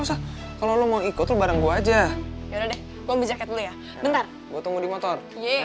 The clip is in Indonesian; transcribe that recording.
usah kalau mau ikut bareng gue aja ya udah deh gue jahat dulu ya bentar gue tunggu di motor